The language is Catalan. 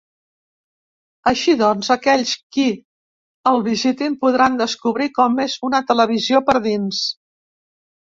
Així, doncs, aquells qui el visitin podran descobrir com és una televisió per dins.